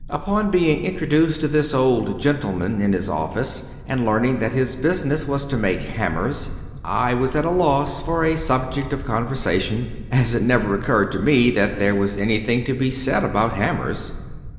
Upon being introduced to this old gentleman in his office, and learning that his business was to make hammers, I was at a loss for a subject of conversation, as it never occurred to me that there was anything to be said about hammers.